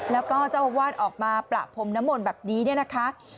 แล้วก็จะวาดออกมาประพมนมลแบบนี้นะคะ